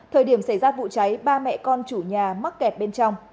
thời điểm xảy ra vụ cháy ba mẹ con chủ nhà mắc kẹt bên trong